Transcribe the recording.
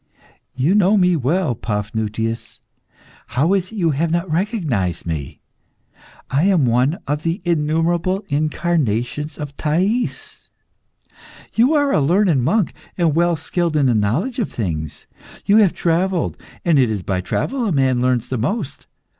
You know me well, Paphnutius. How is it you have not recognised me? I am one of the innumerable incarnations of Thais. You are a learned monk, and well skilled in the knowledge of things. You have travelled, and it is by travel a man learns the most.